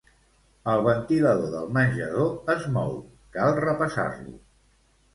El ventilador del menjador es mou, cal repassar-lo